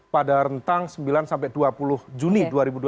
pada rentang sembilan sampai dua puluh juni dua ribu dua puluh